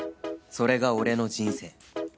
それが俺の人生